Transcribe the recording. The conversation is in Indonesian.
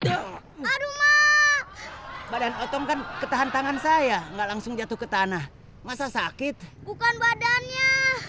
aduh aduh badan otong kan ketahan tangan saya enggak langsung jatuh ke tanah masa sakit bukan badannya